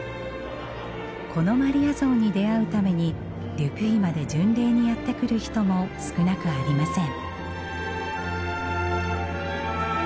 このマリア像に出会うためにル・ピュイまで巡礼にやって来る人も少なくありません。